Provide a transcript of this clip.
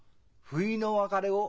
「不意の別れを」。